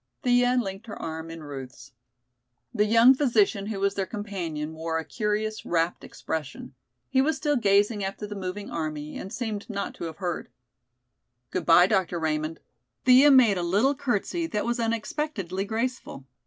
Thea linked her arm in Ruth's. The young physician who was their companion wore a curious, rapt expression. He was still gazing after the moving army, and seemed not to have heard. "Goodby, Dr. Raymond." Thea made a little curtsey that was unexpectedly graceful.